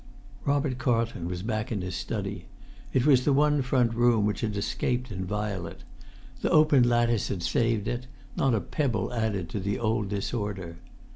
Robert Carlton was back in his study. It was the one front room which had escaped inviolate; the open lattice had saved it; not a pebble added to the old disorder.